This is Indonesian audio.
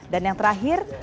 dan yang terakhir